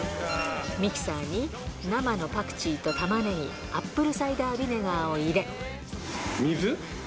ミキサーに、生のパクチーとタマネギ、アップルサイダービネガーを入れ。